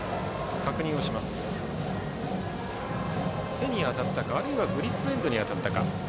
手に当たったかあるいはグリップエンドに当たったか。